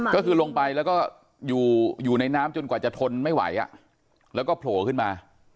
ก็คือลงไปแล้วก็อยู่ในน้ำจนกว่าจะทนไม่ไหวแล้วก็โผล่ขึ้นมา